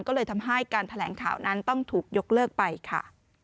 ก็เลยทำให้การแถลงข่าวนั้นต้องถูกยกเลิกไปค่ะ